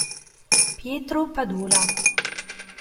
Pietro Padula